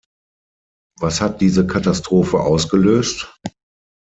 Was hat diese Katastrophe ausgelöst?